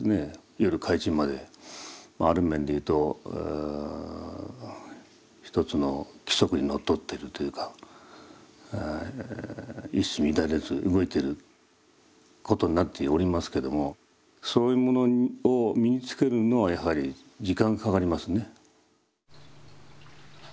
夜開枕まである面で言うと一つの規則にのっとってるというか一糸乱れず動いてることになっておりますけどもそういうものを身につけるのはやはり時間かかりますね。